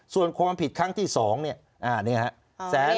ส่วนความผิดครั้งที่๒เนี่ยนี่ฮะ